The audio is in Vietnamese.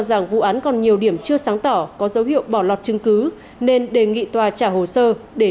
rằng vụ án còn nhiều điểm chưa sáng tỏ có dấu hiệu bỏ lọt chứng cứ nên đề nghị tòa trả hồ sơ để